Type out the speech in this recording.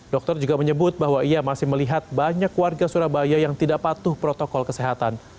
dokter juga menyebut bahwa ia masih melihat banyak warga surabaya yang tidak patuh protokol kesehatan